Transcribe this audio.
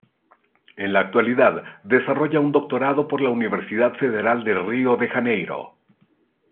En la actualidad desarrolla un doctorando por la Universidad Federal de Río de Janeiro.